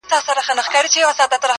• په قفس پسي یی وکړل ارمانونه -